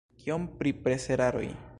Kion pri preseraroj?